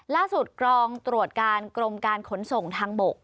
กรองตรวจการกรมการขนส่งทางบก